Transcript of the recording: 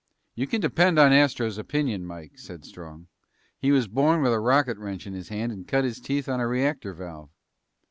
"You can depend on Astro's opinion, Mike," said Strong. "He was born with a rocket wrench in his hand and cut his teeth on a reactor valve."